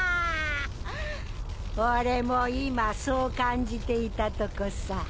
俺も今そう感じていたとこさ。